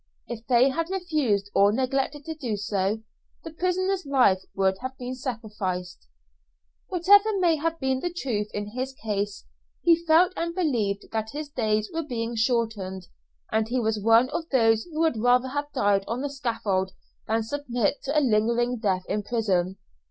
If they had refused or neglected to do so, the prisoner's life would have been sacrificed. Whatever may have been the truth in his case, he felt and believed that his days were being shortened, and he was one of those who would rather have died on the scaffold than submit to a lingering death in prison.